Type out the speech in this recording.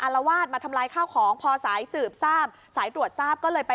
ละวาดมาทำลายข้าวของพอสายสืบทราบสายตรวจทราบก็เลยไป